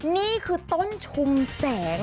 นี่คือต้นชุมแสง